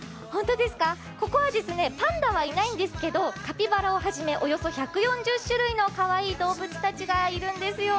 ここはパンダはいないんですけど、カピバラをはじめおよそ１４０種類のかわいい動物たちがいるんですよ。